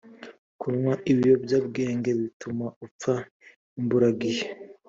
kunywa ibiyobyabwenge bituma upfa imburagihe